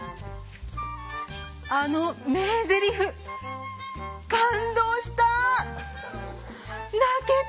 あの名ゼリフ感動した。